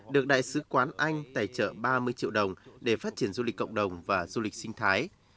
được đại sứ quán anh tài trợ ba mươi triệu đồng để phát triển du lịch cộng đồng và du lịch sinh thái